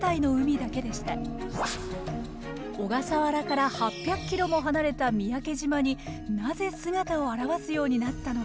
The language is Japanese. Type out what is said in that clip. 小笠原から８００キロも離れた三宅島になぜ姿を現すようになったのか？